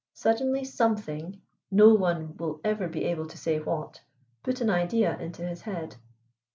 Suddenly something, no one will ever be able to say what, put an idea into his head.